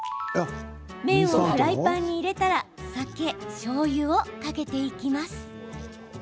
麺をフライパンに入れたら酒、しょうゆをかけていきます。